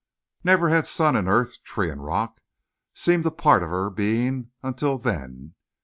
Never had sun and earth, tree and rock, seemed a part of her being until then.